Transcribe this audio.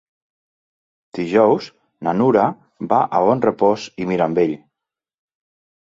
Dijous na Nura va a Bonrepòs i Mirambell.